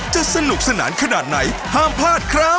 สนุกสนานขนาดไหนห้ามพลาดครับ